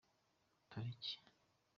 tariki